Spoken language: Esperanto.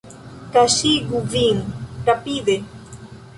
Kuŝigu vin, rapide!